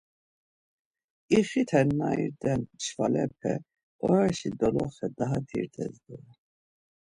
İxiten na irden çvalape oraşi doloxe daha dirdes doren.